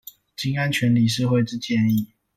經安全理事會之建議